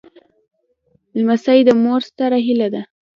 لمسی د مور ستره هيله ده.